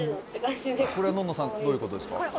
これはのんのさんどういうことですか？